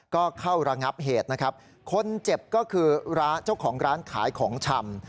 ก็เข้าระงับเหตุนะครับคนเจ็บก็คือเจ้าของร้านขายของชำ